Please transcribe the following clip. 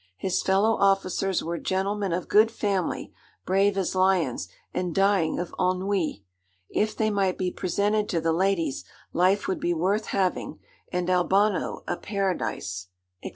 His fellow officers were gentlemen of good family, brave as lions, and dying of ennui; if they might be presented to the ladies, life would be worth having, and Albano a paradise, &c.